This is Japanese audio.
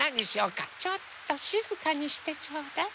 ちょっとしずかにしてちょうだい。